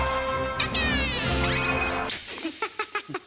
フハハハハハ！